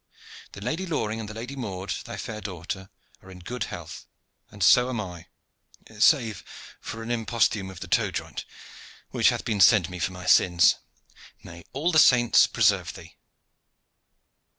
The Lady Loring, and the Lady Maude, thy fair daughter, are in good health; and so also am I, save for an imposthume of the toe joint, which hath been sent me for my sins. May all the saints preserve thee!'"